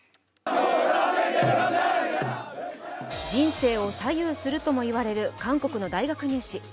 人生を左右するとも言われる韓国の大学入試。